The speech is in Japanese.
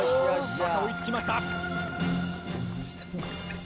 また追いつきました。